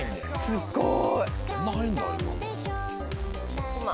すごい！